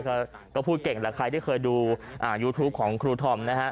ก็พูดเก่งแหละใครที่เคยดูยูทูปของครูธอมนะฮะ